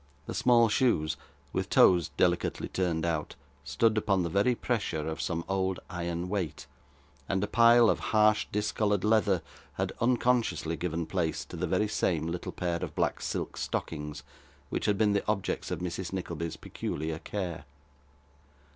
The small shoes, with toes delicately turned out, stood upon the very pressure of some old iron weight; and a pile of harsh discoloured leather had unconsciously given place to the very same little pair of black silk stockings, which had been the objects of Mrs. Nickleby's peculiar care.